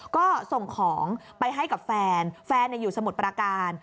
ก็ส่งของไปให้กับแฟนแฟนอยู่สมุทรประการ